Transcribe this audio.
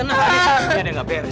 untuk orang lain belum berubah